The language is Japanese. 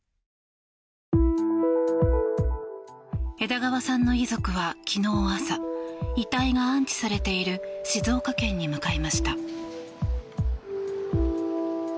枝川さんの遺族は昨日朝遺体が安置されている静岡県に向かいました。